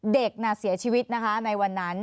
เด็กน่ะเสียชีวิตนะคะในวันนั้น